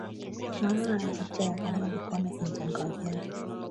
aa licha ya kwamba alikuwa na vimbwanga vyake